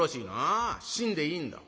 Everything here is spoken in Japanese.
「ああ信でいいんだ」。